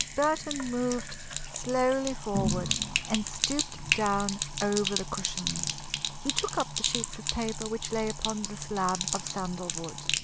Burton moved slowly forward and stooped down over the cushions. He took up the sheets of paper which lay upon the slab of sandalwood.